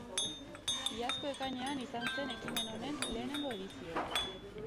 Iazko ekainean izan zen ekimen honen lehenengo edizioa.